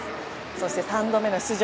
そして３度目の出場